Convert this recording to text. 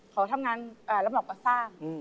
เขาทำงานรับหลอกกระส้าง